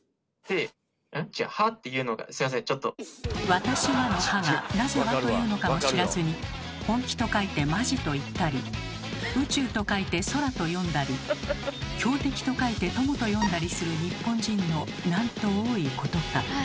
「私は」の「は」がなぜ「わ」というのかも知らずに「本気」と書いて「マジ」といったり「宇宙」と書いて「そら」と読んだり「強敵」と書いて「とも」と読んだりする日本人のなんと多いことか。